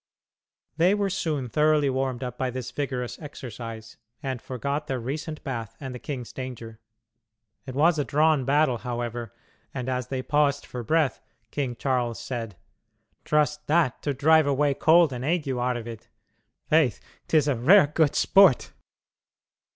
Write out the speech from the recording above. They were soon thoroughly warmed up by this vigorous exercise, and forgot their recent bath and the king's danger. It was a drawn battle, however, and, as they paused for breath, King Charles said: "Trust that to drive away cold and ague, Arvid. Faith,'tis a rare good sport."